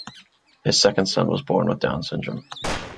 His second son was born with Down syndrome.